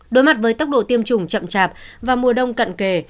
đối mặt với tốc độ tiêm chủng chậm chạp vào mùa đông cận kề